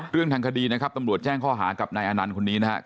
เรื่องทางคดีนะครับตำรวจแจ้งข้อหากับนายอานันต์คนนี้นะครับ